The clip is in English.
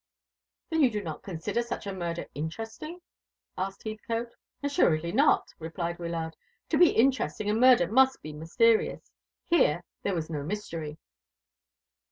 "Then you do not consider such a murder interesting?" asked Heathcote. "Assuredly not," replied Wyllard. "To be interesting a murder must be mysterious. Here there was no mystery."